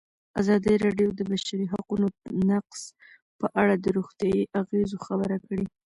ازادي راډیو د د بشري حقونو نقض په اړه د روغتیایي اغېزو خبره کړې.